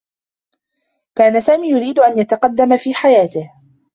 كان سامي يريد أن يتقدّم في حياته.